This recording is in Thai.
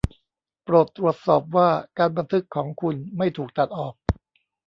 โปรดตรวจสอบว่าการบันทึกของคุณไม่ถูกตัดออก